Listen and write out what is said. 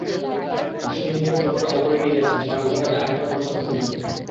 অশ্বিন নিজেকে কতটা ওপরে নিয়ে যাচ্ছেন, সেটা বোঝা যাবে আরেকটা পরিসংখ্যান থেকে।